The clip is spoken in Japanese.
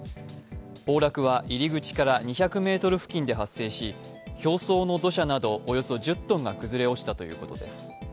崩落は入り口から２００ｍ付近で発生し表層の土砂などおよそ１０ｔが崩れ落ちたということです。